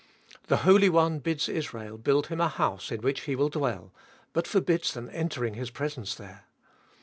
The Holy One bids Israel build Him a house in which He will dwell, but forbids them entering His presence there.